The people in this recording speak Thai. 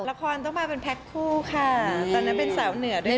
ละครต้องมาเป็นแพ็คคู่ค่ะตอนนั้นเป็นสาวเหนือด้วย